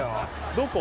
どこ？